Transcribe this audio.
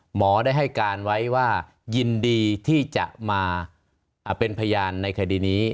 หมอได้ให้การไว้ว่ายินดีที่จะมาเป็นพยานในคดีนี้